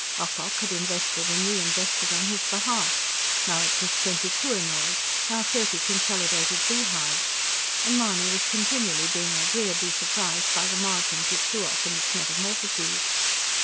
Ocock had invested and re invested on his behalf now it was twenty "Koh i noors," now thirty "Consolidated Beehives" and Mahony was continually being agreeably surprised by the margins it threw off in its metamorphoses.